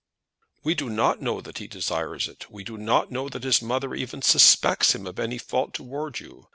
"We do not know that he desires it. We do not know that his mother even suspects him of any fault towards you.